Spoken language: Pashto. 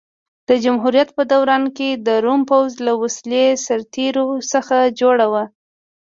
د جمهوریت په دوران کې د روم پوځ له ولسي سرتېرو څخه جوړ و.